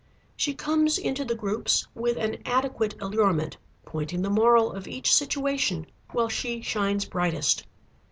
She comes into the groups with an adequate allurement, pointing the moral of each situation while she shines brightest.